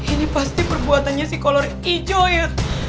ini pasti perbuatannya si kolor hijau ya